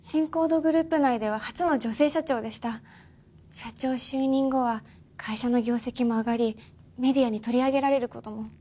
社長就任後は会社の業績も上がりメディアに取り上げられる事も。